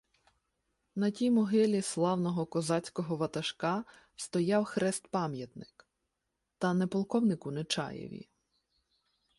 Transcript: На тій могилі славного козацького ватажка стояв хрест-пам'ятник, та не полковнику Нечаєві.